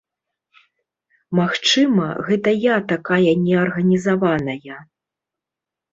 Магчыма, гэта я такая неарганізаваная.